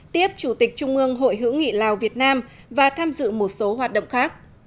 tiếp chủ tịch trung ương hội hữu nghị lào việt nam và tham dự một số hoạt động khác